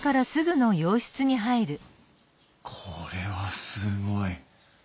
これはすごい。